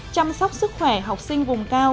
chăm sóc sức khỏe học sinh vùng cao